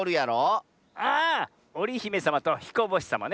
ああおりひめさまとひこぼしさまね。